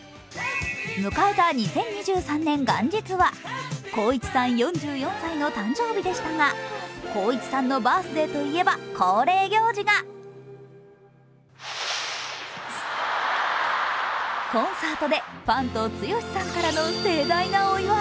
迎えた２０２３年元日は光一さん４４歳の誕生日でしたが光一さんのバースデーといえば恒例行事がコンサートでファンと剛さんからの盛大なお祝い。